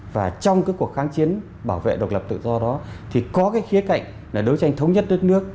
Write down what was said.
và trong cái cuộc kháng chiến bảo vệ độc lập tự do đó thì có cái khía cạnh là đấu tranh thống nhất đất nước